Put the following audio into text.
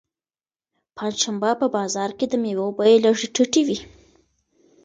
پنجشنبه په بازار کې د مېوو بیې لږې ټیټې وي.